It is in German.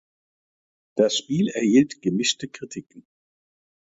Das Spiel erhielt gemischte Kritiken.